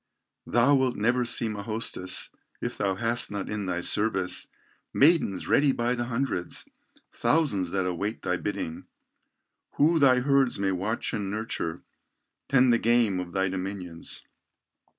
Thou wilt never seem a hostess, If thou hast not in thy service, Maidens ready by the hundreds, Thousands that await thy bidding, Who thy herds may watch and nurture, Tend the game of thy dominions.